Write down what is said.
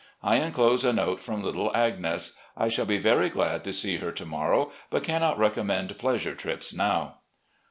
I inclose a note from little Agnes. I shall be very glad to see her to morrow, but cannot recommend pleasure trips now.